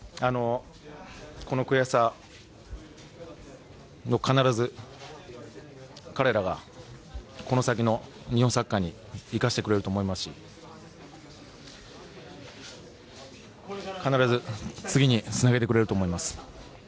この悔しさを必ず彼らがこの先の日本サッカーに生かしてくれると思いますし必ず次につなげてくれると思います。